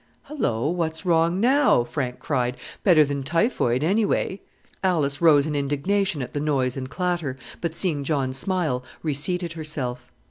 "Hello, what's wrong now?" Frank cried; "better than typhoid anyway." Alice rose in indignation at the noise and clatter; but seeing John smile, reseated herself.